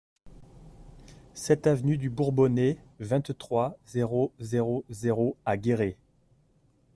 sept avenue du Bourbonnais, vingt-trois, zéro zéro zéro à Guéret